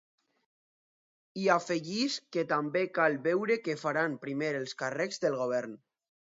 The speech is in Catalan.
I afegeix que també cal veure què faran primer els càrrecs del govern.